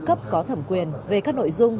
cấp có thẩm quyền về các nội dung